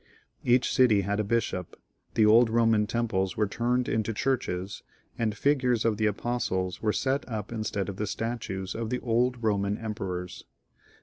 ^ Each city had a bishop, the old Eoman temples were turned into churches, and figures of the Apostles were set up instead of the statues of the old Eoman emperors.